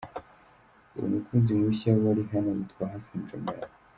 Uwo mukunzi mushya wa Rihanna yitwa Hassan Jameel.